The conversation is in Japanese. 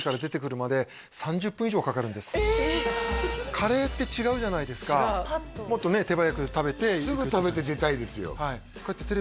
カレーって違うじゃないですかもっとね手早く食べてすぐ食べて出たいですよ